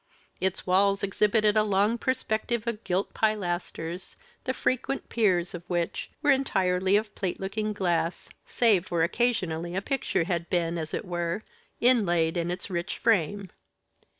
Its walls exhibited a long perspective of gilt pilasters, the frequent piers of which were entirely of plate looking glass, save where occasionally a picture had been, as it were, inlaid in its rich frame.